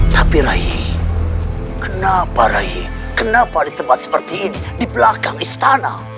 tapi rai kenapa rai kenapa di tempat seperti ini di belakang istana